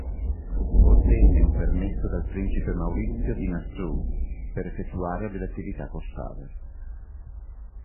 Ottenne un permesso dal principe Maurizio di Nassau per effettuare delle attività corsare.